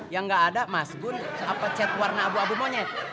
yang nggak ada mas gun chat warna abu abu monyet